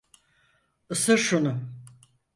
Isır şunu.